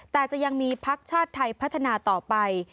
แต่จะยังมีพักชาติไทยพัฒนาต่อไป